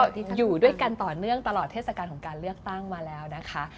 อยู่ด้วยกันต่อเนื่องตลอดเทศกาลของการเลือกตั้งมาแล้วนะคะ